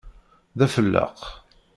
D afelleq!